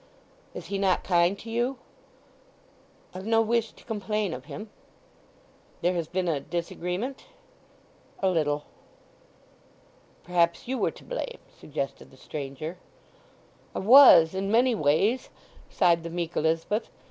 "Is he not kind to you?" "I've no wish to complain of him." "There has been a disagreement?" "A little." "Perhaps you were to blame," suggested the stranger. "I was—in many ways," sighed the meek Elizabeth.